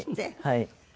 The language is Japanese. はい。